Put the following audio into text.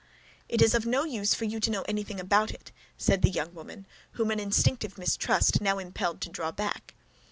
"It is of no use for you to know anything about it," said the young woman, whom an instinctive mistrust now impelled to draw back.